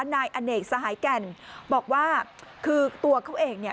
นายอเนกสหายแก่นบอกว่าคือตัวเขาเองเนี่ย